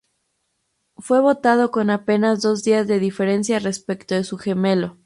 Fue botado con apenas dos días de diferencia respecto de su gemelo.